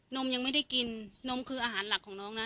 มยังไม่ได้กินนมคืออาหารหลักของน้องนะ